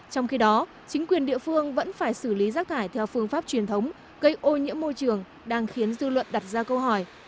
trong khi đó chính quyền địa phương vẫn phải xử lý rác thải theo phương pháp truyền thống gây ô nhiễm môi trường đang khiến dư luận đặt ra câu hỏi